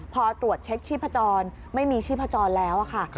พอตรวจเช็คชีพจรไม่มีชีพจรแล้วค่ะ